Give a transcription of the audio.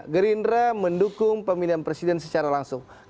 gerindra mendukung pemilihan presiden secara langsung